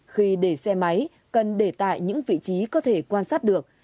khi để xe máy cần để tại những vị trí có thể quan sát được